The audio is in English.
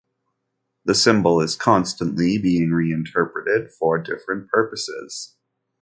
The symbol is constantly being reinterpreted for different purposes.